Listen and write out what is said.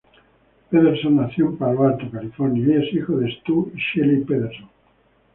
Pederson nació en Palo Alto, California y es hijo de Stu y Shelley Pederson.